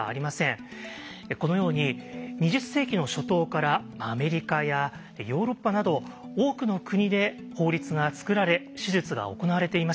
このように２０世紀の初頭からアメリカやヨーロッパなど多くの国で法律が作られ手術が行われていました。